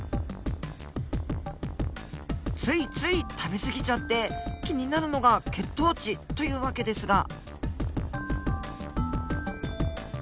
ついつい食べ過ぎちゃって気になるのが血糖値という訳ですが。